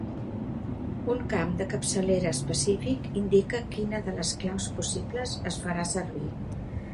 Un camp de capçalera específic indica quina de les claus possibles es farà servir.